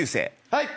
はい！